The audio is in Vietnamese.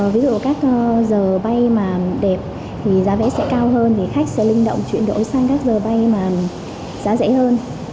ví dụ các giờ bay mà đẹp thì giá vé sẽ cao hơn thì khách sẽ linh động chuyển đổi sang các giờ bay mà giá rẻ hơn